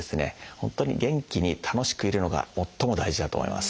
本当に元気に楽しくいるのが最も大事だと思います。